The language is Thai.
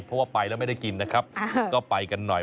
เพราะว่าไปแล้วไม่ได้กินนะครับก็ไปกันหน่อย